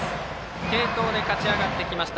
継投で勝ち上がってきました